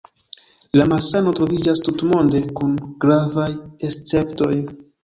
La malsano troviĝas tutmonde, kun gravaj esceptoj.